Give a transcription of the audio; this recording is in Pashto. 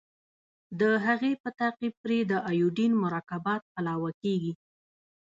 د هغې په تعقیب پرې د ایوډین مرکبات علاوه کیږي.